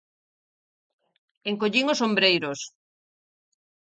Encollín os ombreiros.